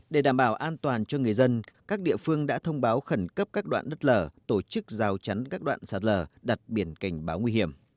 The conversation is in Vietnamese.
để đảm bảo an toàn cho người dân các địa phương đã thông báo khẩn cấp các đoạn đất lở tổ chức rào chắn các đoạn sạt lở đặt biển cảnh báo nguy hiểm